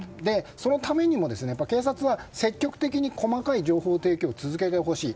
そのためにも警察は積極的に細かい情報提供を続けてほしい。